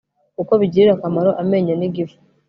kuko bigirira akamaro amenyo n'igifu